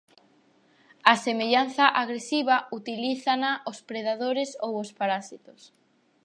A semellanza agresiva utilízana os predadores ou os parasitos.